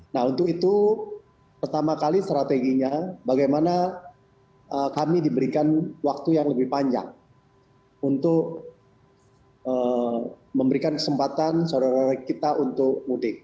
nah untuk itu pertama kali strateginya bagaimana kami diberikan waktu yang lebih panjang untuk memberikan kesempatan saudara saudara kita untuk mudik